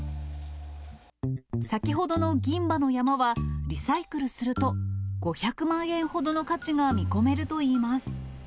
先ほどの銀歯の山は、リサイクルすると、５００万円ほどの価値が見込めるといいます。